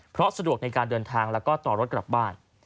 เพราะสะดวกในการเดินทางแล้วก็ต่อรถกลับบ้าน